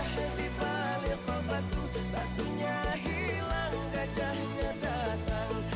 sebentar ya kang